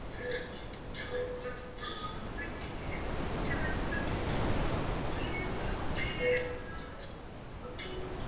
有的饿鬼则可能会保留前世的形象。